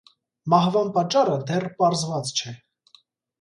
Մահվան պատճառը դեռ պարզված չէ։